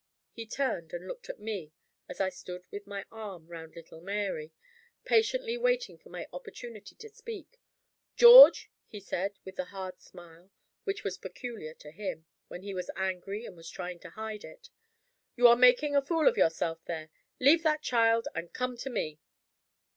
He turned, and looked at me as I stood with my arm round little Mary, patiently waiting for my opportunity to speak. "George," he said, with the hard smile which was peculiar to him, when he was angry and was trying to hide it, "you are making a fool of yourself there. Leave that child, and come to me."